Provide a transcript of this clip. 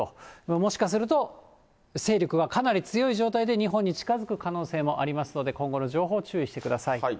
もしかすると、勢力がかなり強い状態で日本に近づく可能性もありますので、今後の情報を注意してください。